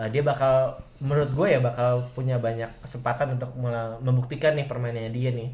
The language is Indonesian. dia bakal menurut gue ya bakal punya banyak kesempatan untuk membuktikan nih permainannya dia nih